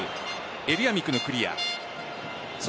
エルヤミクのクリア。